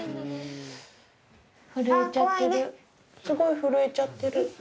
すごい震えちゃってる。